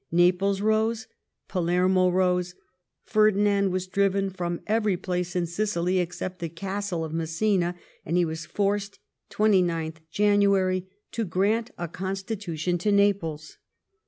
Naples rose, Palermo rose, Ferdinand was driven from every place in Sicily except the castle of Messina, and he was forced, 29tli January, to grant a Constitution to Naples.